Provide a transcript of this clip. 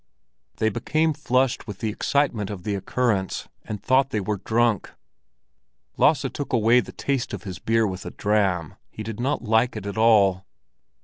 They became flushed with the excitement of the occurrence, and thought they were drunk. Lasse took away the taste of his beer with a dram; he did not like it at all.